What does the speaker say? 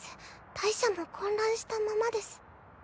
大赦も混乱したままです。